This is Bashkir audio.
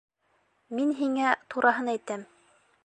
Мин һиңә тураһын әйтәм.